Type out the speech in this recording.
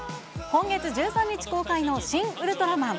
今月１３日公開のシン・ウルトラマン。